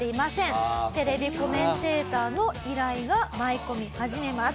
テレビコメンテーターの依頼が舞い込み始めます。